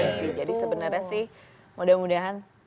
jadi sebenarnya sih mudah mudahan